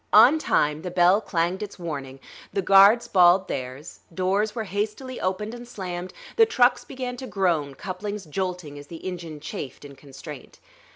On time, the bell clanged its warning; the guards bawled theirs; doors were hastily opened and slammed; the trucks began to groan, couplings jolting as the engine chafed in constraint.